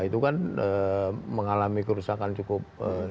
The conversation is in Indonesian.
itu kan mengalami kerusakan cukup